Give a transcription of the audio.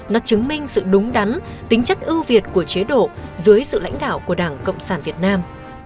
nó chứng minh sự đúng đắn tính chất ưu việt của chế độ dưới sự lãnh đạo của đảng cộng sản việt nam